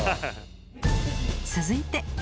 続いて。